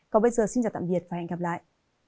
còn bây giờ xin chào tạm biệt và hẹn gặp lại